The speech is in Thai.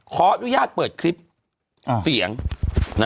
ขออนุญาตเปลือฟล์คลิปเตียงนะ